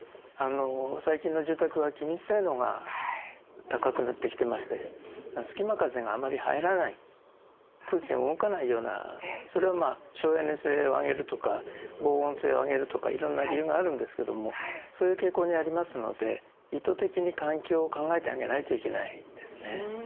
最近の住宅は気密性能が高くなってきてまして隙間風があまり入らない空気が動かないようなそれは省エネ性を上げるとか防音性を上げるとかいろんな理由があるんですけどもそういう傾向にありますので意図的に環境を考えてあげないといけないですね。